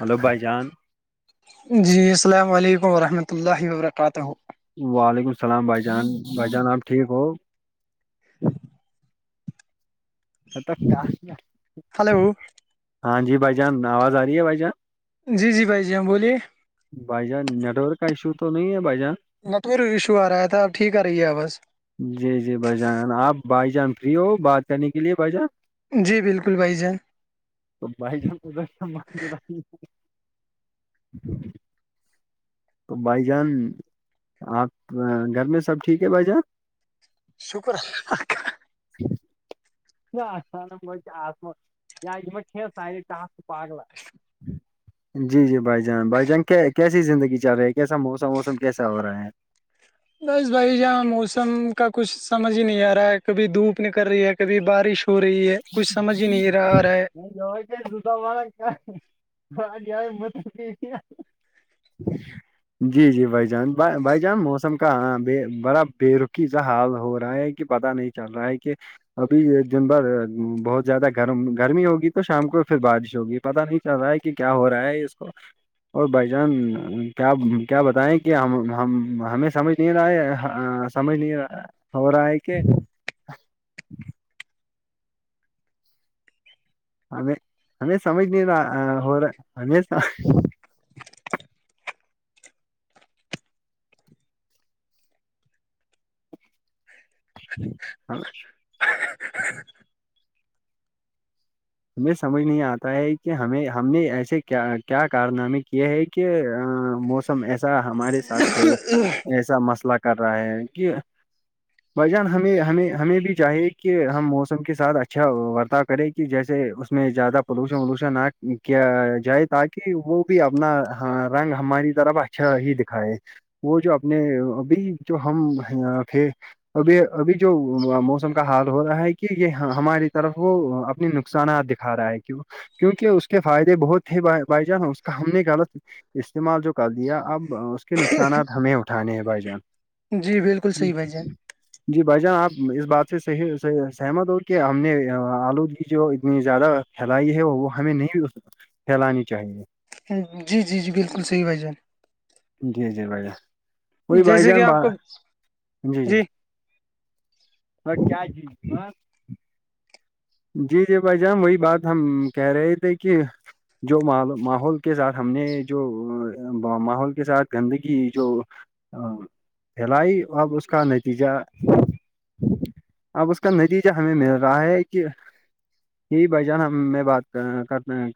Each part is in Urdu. ہلو بھائی جان جی السلام علیکم ورحمۃ اللہ وبرکاتہ وعلیکم السلام بھائی جان بھائی جان آپ ٹھیک ہو ہ [inaudible] تب کیا کیا [inaudible] ہلو ہاں جی بھائی جان آواز آ رہی ہے بھائی جان جی جی بھائی جی ہماں بولیے بائ جا نیٹورک کا اشو تو نہیں ہے بائ جان نیٹ ورک ایشو آ رہا تھا اب ٹھیک آ رہی ہے آ بس جی جی بھائی جان آپ بھائی جان فری ہو بات کرنے کے لیے بھائی جان جی بالکل بھائی جان تو بھائی ج [inaudible] ج [inaudible] تو بھائی جان آپ گھر میں سب ٹھیک ہے بھائی جان شکر [inaudible] کیا [inaudible] آ یا یہ کھی سار ٹپ پاگل [inaudible] جی جی بھائی جان بھائی جان کیسی زندگی چل رہی ہے کیسا موسم ووسم کیسا ہو رہا ہے بس بھائی جہاں موسم کا کچھ سمجھ ہی نہیں آ رہا ہے کبھی دھوپ نکل رہی ہے کبھی بارش ہو رہی ہے کچھ سمجھ ہی نہیں آا رہا ہے ج کیا زتا والارا کیا ج مت [inaudible] جی [inaudible] جی جی بھائی جان بھائی جان موسم کا بڑا بےیرقی سا حال ہو رہا ہے پتاہ نہیں چل رہا ہے کہ ابھی دن بھر بہت زیادہ گرم گرمی ہوگی تو شام کو پھر بارش ہوگی پتہ نہیں چل رہا ہے کہ کیا ہو رہا ہے اس کو اور بھائی جان کیا کیا بتائیں کہ ہم ہمیں سمجھ نہیں رہا سمج نہیںا ہوور آئکے ہم ہمیں سمج نہیں رہا ہوور ہ س ا [unintelligible] ہ ہمیں سمجھ نہیں آتا ہے کہ ہمیں ہم نے ایسے کیا کیا کارنامے کیے ہیں کہ کہ موسم ایسا ہمارے ساتھ ایسا مسئلہ کر رہا ہے کہ بھائی جان ہمیں ہمیں ہمیں بھی چاہیے کہ ہم موسم کے ساتھ اچھا ورتاہ کریں کہ جیسے سے اس میں زیادہ پولوشن ولوشن نہ کیا جائے تاکہ وہ بھی اپنا رنگ ہماری طرف اچھا ہی دکھائے وہ جو اپنے ابھی جو ہم پ اب ابھی جو موسم کا حال ہو رہا ہے کہ یہ ہماری طرف وہ اپنی نقصانات دکھا رہا ہے کی کیونکہ اس کے فائدے بہت تھے بائی جان اس کا ہم نے غلط استعمال جو کر دیا اب کے نقصانات ہمیں اٹھانے ہیں بھائی جان جی بالکل جی صحیح بھائی جان جی بھائی جان آپ اس بات سے صح سہمت ہو کہ ہم نے آلودگی جو اتنی زیادہ پھیلائی ہے وہ وہ ہمیں نہیں پھیلانی چاہیے جی جی جی بالکل صحیح بھائی جان جی جی بھ ج وہی بائی جیسے جان کہ ب آپ کو جی جی اور کیا جی ہ جی جی بھائی جان وہی بات ہم کہہ رہے تھے کہ جو ماحول کے ساتھ ہم نے جو ماحول کے ساتھ گندگی جو ہ پھیلائی اب اس کا نتیجہ اب اس کا نتیجہ ہمیں مل رہا ہے کہ یہ بھ جان ہم میں بات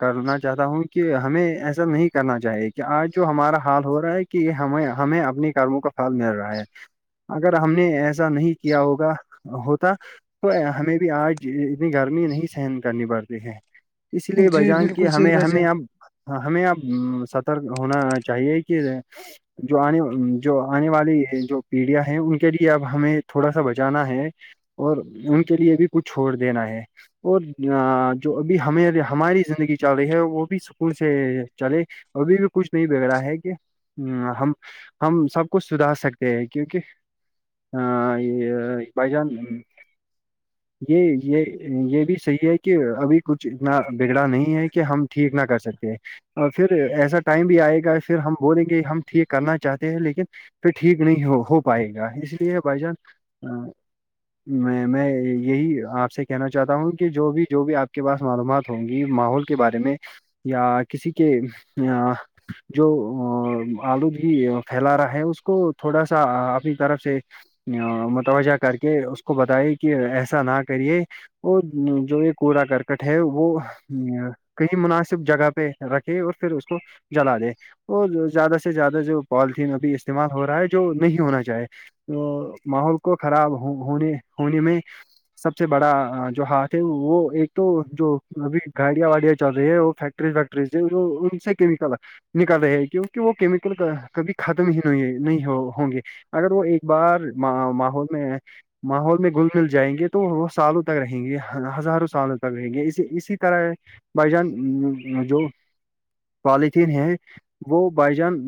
کرنا چاہتا ہوں کہ ہمیں ایسا نہیں کرنا چاہے گا آج جو ہمارا حال ہو رہا ہے کہ یہ ہمیں ہمیں اپنے کرموں کا پھل مل رہا ہے اگر ہم نے ایسا نہیں کیا ہوگا ہوتا تو ہمیں بھی آج اتنی گرمی نہیں سہن کرنی پڑتی ہے اس لیے جی بجان کی بالکل صحیح ہمیں بھائی ہمیں جان اب ہاں ہمیں اب سترک ہونا چاہیے کہ جو آنے جو آنے والی جو پیڑیاں ہیں ان کے لیے اب ہمیں تھوڑا سا بچانا ہے اور ان کے لیے بھی کچھ چھوڑ دینا ہے اور جو ابھی ہمیں ہماری زندگی چل رہی ہے وہ بھی سکون سے چلے ابھی بھی کچھ نہیں بگڑا ہے کہ ہم ہم سب کچھ سدھار سکتے ہیں کیونکہ یہ بھائی جان یہ یہ یہ بھی صحیح ہے کہ ابھی کچھ اتنا بگڑا نہیں ہے کہ ہم ٹھیک نہ کر سکتے اور پھر ایسا ٹائم بھی آئے گا پھر ہم بولیں گے ہم ٹھیک کرنا چاہتے ہیں لیکن پھر ٹھیک نہیں ہو ہو پائے گا اس لیے بائی جان ا میں میں یہی آپ سے کہنا چاہتا ہوں کہ جو بھی جو بھی آپ کے پاس معلومات ہوں گی ماحول کے بارے میں یا کسی کے جو آلودگی پھیلا رہا ہے اس کو تھوڑا سا اپنی طرف سے متوجہ کر کے اس کو بتائی کہ ایسا نہ کرے وہ جو یہ کوڑا کرکٹ ہے وہ کئی مناسب جگہ پہ رکھے اور پھر اس کو جلا دے اور زیادہ سے زیادہ جو پالیتھیین ابھی استعمال ہو رہا ہے جو نہیں ہونا چاہے تو ماحول کو خراب ہو ہونے ہونے میں سب سے بڑا جو ہاتھ ہے وہ ایک تو جو ابھی گاڑیاں واڑیاں چل رہی ہے وہ فیک فٹری س کیمیکل ہے نکل رہے ہیں کیونکہ وہ کیمیکل کبھی ختم ہی نہیں نہیں ہوں گے اگر وہ ایک بار ماحول میں ماحول میں گل مل جائیں گے تو تو وہ سالوں تک رہیں گی ہزاروں سالوں تک رہیں گی اس اسی طرح بائی جان جو پالیتھیین ہے وہ بائی جان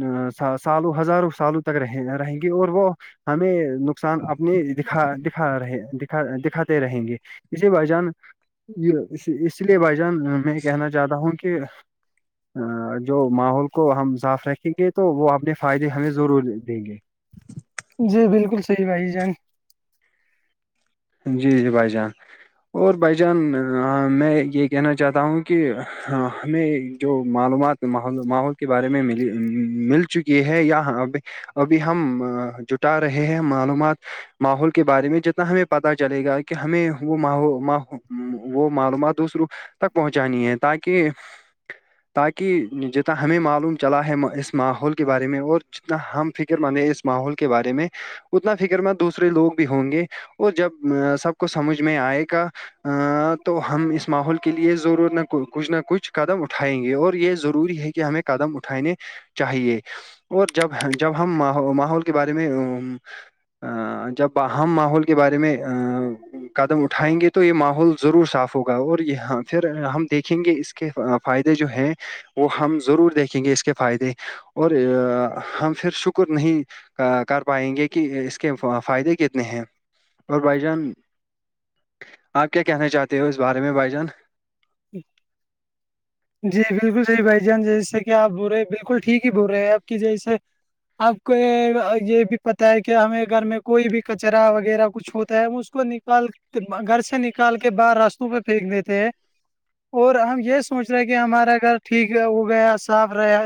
سالوں ہزاروں سالوں تک رہ رہیں گے اور وہ ہمیں نقصان اپنے دکھا دکھا رہے د دکھاتے رہیں گے اسی وجان یہ اس لیے بھائی جان میں کہنا چاہتا ہوں کہ جو ماحول کو ہم صاف رکھیں گے تو وہ اپنے فائدے ہمیں ضرور دیں گے جی بالکل صحیح بھائی جان جی جی بھائی جان اور بھائی جان میں یہ کہنا چاہتا ہوں کہ ہمیں جو معلومات ماحول کے بارے میں م مل چکی ہے یا پہ ابھی ہم جٹا رہے ہیں معلومات ماحول کے بارے میں جتنا ہمیں پتا چلے گا کہ ہمیں وہ وہ معلومات دوسروں تک پہنچانی ہے تاکہ تاکہ جتنا ہمیں معلوم چلا ہے اس ماحول کے بارے میں اور جتنا ہم فکر مند اس ماحول کے بارے میں اتنا فکر مند دوسرے لوگ بھی ہوں گے وہ جب سب کو سمجھ میں آئے گا تو ہم اس ماحول کے لیے ضرور نہ کچھ نہ کچھ قدم اٹھائیں گے اور یہ ضروری ہے کہ ہمیں قدم اٹھانے چاہیے اور جب جب ہم ماحول کے بارے میں جب ہم ماحول کے بارے میں قدم اٹھائیں گے تو تو یہ ماحول ضرور صاف ہوگا اور یہاں پھر ہم دیکھیں گے اس کے فائدے جو ہیں وہ ہم ضرور دیکھیں گے اس کے فائدے اور ہم پھر شکر نہیں کر پائیں گے کہ اس کے فائدے کتنے ہیں اور بھائی جان آپ کیا کہنا چاہتے ہو اس بارے میں بھائی جان جی جی بالکل صحی بھائی جان جیسے کہ آپ بول رہے ہیں بالکل ٹھیک ہی بول رہے ہیں آپ کی جیس آپ کو یہ بھی پتا ہے کہ ہمیں گھر میں کوئی بھی کچرا وغیرہ کچھ ہوتا ہے مج کو نکال گھر سے نکال کے باہر راستوں پہ پھینک دیتے ہیں اور ہم یہ س سوچ رہے کہ ہمارا گھر ٹھیک ہو گیا صاف رہے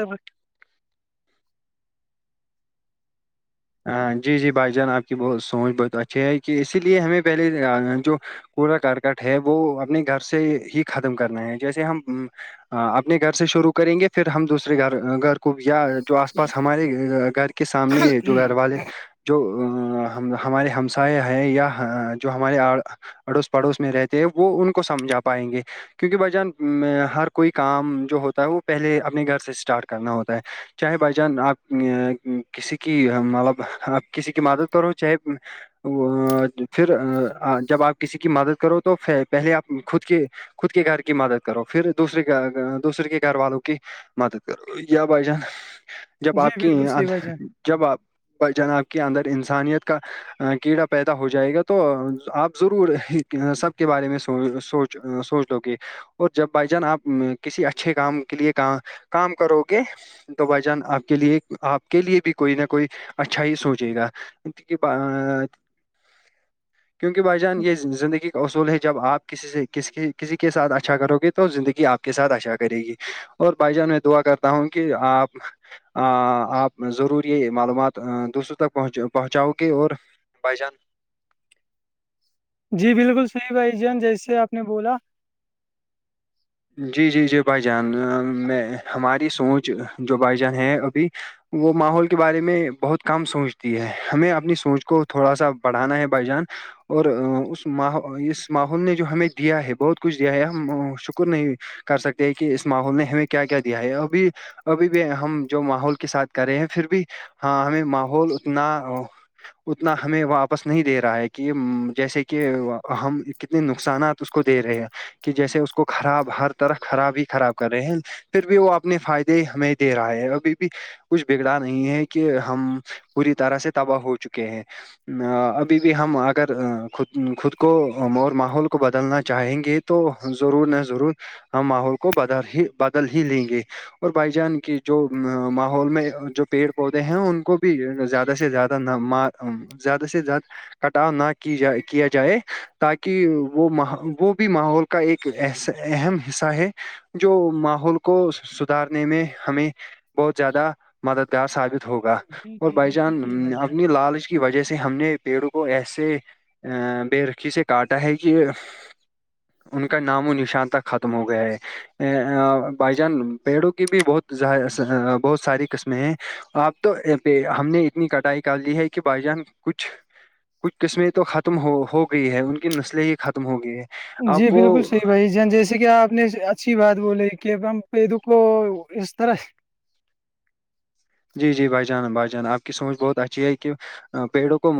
ہ جی جی بھائی جان آپ کی سوچ بہت اچھی ہے کہ اسی لیے ہمیں پہلے جو کوڑا کرکٹ ہے وہ اپنے گھر سے ہی ختم کرنا ہے جیسے ہم ہاں اپنے گھر سے شروع کریں گے پھر ہم دوسرے گھر گ کبیا جو آس پاس ہمارے گھر کے سامنے جو گھر والے جو ہمارے ہمسائے ہیں یا جو ہمارے آ اڑوس پڑوس میں رہتے ہیں وہ ان کو سمجھا پائیں گے کیونکہ بھائی جان ہر کوئی کام جو ہوتا ہے وہ پہلے اپنے گھر سے اسٹارٹ کرنا ہوتا ہے چاہے بھائی جان آپ کسی کی مطلب آپ کسی کی مدد کرو چاہے ا پھر جب آپ کسی کی مدد کرو تو پہلے آپ خود کے خود کے گھر کی مدد کرو پھر دوسے دوسرے کے گھر والوں کی مدد کرو یا بھائی جان جب جی آپ کے بالکل صحیح بھائی جان جب آپ بائی جناب کے اندر انسانیت کا کیڑا پیدا ہو جائے گا تو آپ ضرور سب کے بارے میں سوچ ا سوچ لو کہ اور جب بھائی جان آپ کسی اچھے کام کے لیے کا کام کرو گے تو بھائی جان آپ کے لیے آپ کے لیے بھی کوئی نہ کوئی اچھا ہی سوچے گاک [inaudible] کیونکہ بھائی جان یہ زندگی کا اصول ہے جب آپ کسی سے کسی کسی کے ساتھ اچھا کرو گے تو زندگی آپ کے ساتھ اشا کرے گی اور بھائی جان میں دعا کرتا ہوں کہ آپ آ آپ ضرور یہ معلومات دوسروں تکہ پہنچاؤ گے اور بھائی جان جی بالکل صحیح بھائی جان جیسے آپ نے بولا جی جی جی بھائی جان میں ہماری سوچ جو بھائی جان ہے ابھی وہ ماحول کے بارے میں بہت کم سوچتی ہے ہمیں اپنی سوچ کو تھوڑا سا بڑھانا ہے بائی جان اور اس م اس ماحول نے جو ہمیں دیا ہے بہت کچھ دیا ہے ہم ش نہیں کر سکتے کہ اس ماحول نے ہمیں کیا کیا دیا ہے اوربھی ابھی بھی ہم جو ماحول کے ساتھ کرے ہیں پھر بھی ہاں ہمیں ماحول اتنا اتنا ہمیں واپس نہیں دے رہا ہے کہ جیسے کہ ہم کتنے نقصانات اس کو دے رہے ہیں کہ جیسے اس کو خراب ہر طرح خراب ہی خراب کر رہے ہیں پھر بھی وہ اپنے فائدے ہمیں دے رہا ہے ابھی بھی کچھ بگدار نہیں ہے کہ ہم پوری طرح سے تباہ ہو چکے ہیں ابھی بھی ہم اگر خود خود کو اور ماحول کو بدلنا چاہیں گے تو ضرور نہ ضرور ہم ماحول کو بدل ہی بدل ہی لیں گے اور بھائی جان کی جو ماحول میں جو پیڑ پودے ہیں ان کو بھی زیادہ سے زیادہ ن م زیادہ سے زیادہ کٹاؤ نہ کی جائے کیا جائے تاکہ وہ وہ بھی ماحول کا ایک ایسا اہم حصہ ہے جو ماحول کو سھارنے میں ہمیں بہت زیادہ مددگار ثابت ہوگا جی اور جی بھائی بالکل جان صحیح بھائی جان اپنی لالچ کی وجہ سے ہم نے پیڑوں کو ایسے ا بے رکھی سے کاٹا ہے کہ ان کا نام و نشان تہ ختم ہو گیا ہے ا بائی جان پیڑوں کی بھی بہت بہت ساری قسمیں ہیں آپ تو ہم نے اتنی کٹائی کر لی ہے کہ بھائی جان کچھ کچھ قسمیں تو ختم ہو ہو گئی ہے ان کی نسلیں ہی ختم ہو گئی ہے اب جی وہ بالکل صیح بھائی جی جیسے کہ آپ نے اچھی بات بولی کہ د کو اس طرح جی جی بھائی جان بھائی جان آ کی سوچ بہت اچھی ہے کہ پیڑوں کو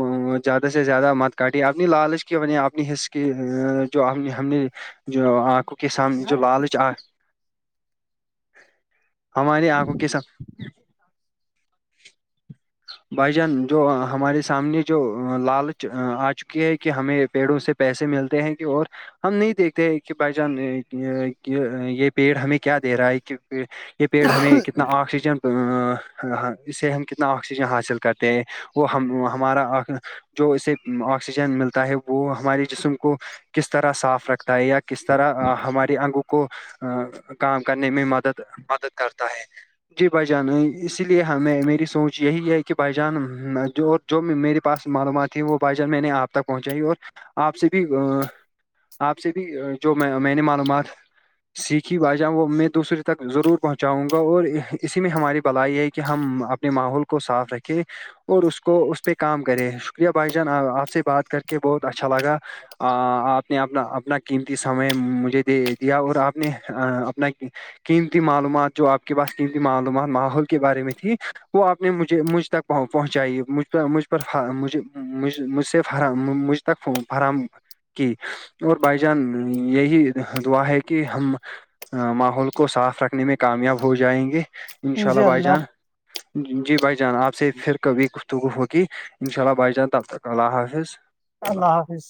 زیادہ سے زیادہ مت کاٹ اپنی لالچ کی بنی اپنی حس کی جو ہم ہم نے جو آ کے سام جو لالچ آ ہماری آنکھوں کے سام بھائی جان جو ہمارے سامنے جو لالچ آ چکی ہے کہ ہمیں پیڑوں سے پیسے ملتے ہیں کہ اور ہم نہیں دیکھتے کہ بھائی جان یہ پیڑ ہمیں کیا دے رہا ہے کہ یہ پیڑ ہمیں کتنا آکسیجن اس سے ہم کتنا آکسی آکسیجن حاصل کرتے ہیں وہ ہم ہمارا جو اسے آکسیجن ملتا ہے وہ ہمارے جسم کو کس طرح صاف رکھتا ہے یا کس طرح ہماراری انگوں کو ا کام کرنے میں مدد مدد کرتا ہے جی بھ جان اس لیے ہم میری سوچ یہی ہے کہ بائی جان جو میرے پاس معلومات ہیں وہ بائی جان میں نے آپ تک پہنچائی اور آپ سے بھی آپ سے بھی جو میں میں نے معلومات سیکھی با جاں وہ میں دوسرے تک ضرور پہنچاؤں گا اور اسی میں ہماری بلائی یہ ہے کہ ہم اپنے ماحول کو کو صاف رکھے اور اس کو اس پہ کام کرے شکریہ بھائی جان آپ سے بات کر کے کہ بہت اچھا لگاپ نے اپنا اپنا قیمتی سمے مجھے دے دیا اور آپ نے اپنا قیمتی معلومات جو آپ کے پاس قیمتی معلومات ماحول کے بارے میں تھی وہ آپ نہیں مجھے مجھ تک پہن پہنچائیے مجھ پر مجھ پر مجھے مجھ مجھ سے فراہجھ تک فون فر کی اور بھائی جان یہی دعا ہے کہ ہم ماحول کو صاف رکھنے میں کامیاب ہو جائیں گے ان شاء اللہ بھائی جان جی بھائی جان آپ سے پھر کبھی گفتگو ہوگی ان شاء اللہ بھائی جان تب تک اللہ حافظ اللہ حافظ